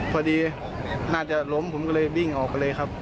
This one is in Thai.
พอดีน่าจะล้มผมก็เลยวิ่งออกไปเลยครับ